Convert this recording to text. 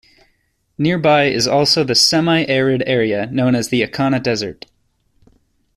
Nearby is also the semi-arid area known as the Accona Desert.